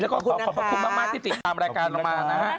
และขอบคุณมากที่ติดตามรายการเรามานะ